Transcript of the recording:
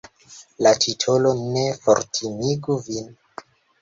La titolo ne fortimigu vin.